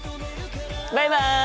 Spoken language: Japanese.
バイバイ！